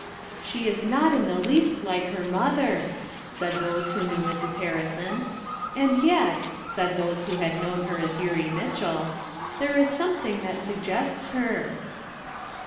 "She is not in the least like her mother,' 1 said those who knew Mrs, Harrison, 'And yet," said those who had known her as Eurie Mitchell, "there is something that suggests her."